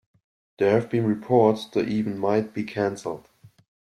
There have been reports the event might be canceled.